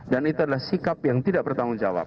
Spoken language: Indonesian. dan itu adalah sikap yang tidak bertanggung jawab